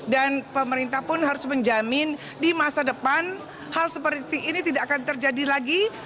dan pemerintah pun harus menjamin di masa depan hal seperti ini tidak akan terjadi lagi